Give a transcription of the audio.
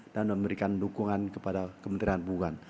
dan memberikan dukungan kepada kementerian kebunan